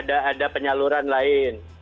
ada penyaluran lain